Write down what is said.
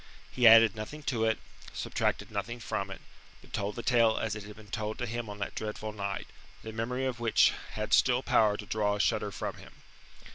He added nothing to it, subtracted nothing from it, but told the tale as it had been told to him on that dreadful night, the memory of which had still power to draw a shudder from him.